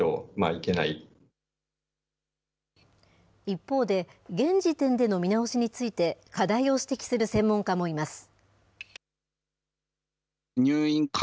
一方で、現時点での見直しについて、課題を指摘する専門家もいます。